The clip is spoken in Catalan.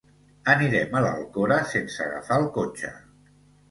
Anirem a l'Alcora sense agafar el cotxe.